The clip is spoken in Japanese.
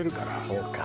そうか。